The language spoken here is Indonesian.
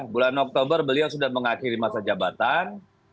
bulan oktober beliau sudah mengakhiri masa jabatan